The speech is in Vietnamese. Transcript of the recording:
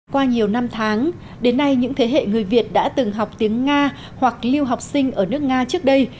qua nhiều năm tháng đến nay những thế hệ người việt đã từng học tiếng nga hoặc lưu học sinh ở nước nga trước đây